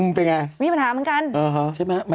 อืมเป็นอย่างไรมีปัญหาเหมือนกันใช่ไหม